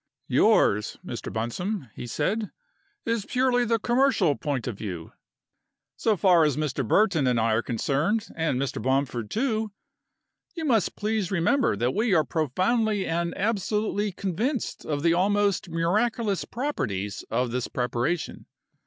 "Yours, Mr. Bunsome," he said, "is purely the commercial point of view. So far as Mr. Burton and I are concerned, and Mr. Bomford, too, you must please remember that we are profoundly and absolutely convinced of the almost miraculous properties of this preparation.